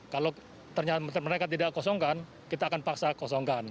kalau ternyata mereka tidak kosongkan kita akan paksa kosongkan